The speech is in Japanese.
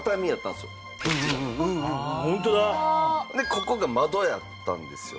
ここが窓やったんですよ